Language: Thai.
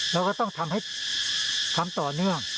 เราก็ต้องทำให้ทำต่อเนื่อง